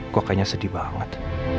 kok kayaknya sedih banget